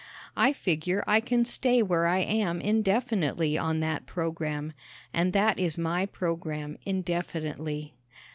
I figure I can stay where I am indefinitely on that program and that is my program indefinitely.